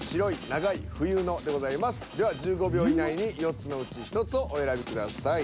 では１５秒以内に４つのうち１つをお選びください。